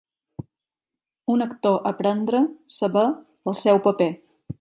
Un actor aprendre, saber, el seu paper.